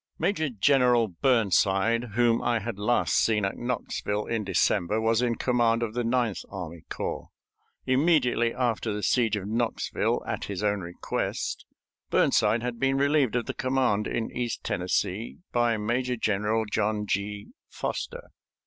Major General Burnside, whom I had last seen at Knoxville in December, was in command of the Ninth Army Corps. Immediately after the siege of Knoxville, at his own request, Burnside had been relieved of the command in East Tennessee by Major General John G. Foster.